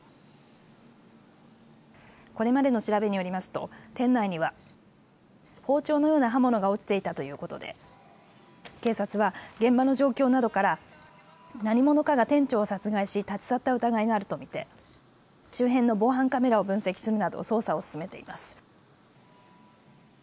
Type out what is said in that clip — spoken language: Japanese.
これまでの調べによりますと店内には包丁のような刃物が落ちていたということで警察は現場の状況などから何者かが店長を殺害し立ち去った疑いがあると見て周辺の防犯カメラを分析するなど捜査を進めています。